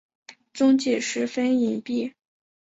踪迹十分隐蔽。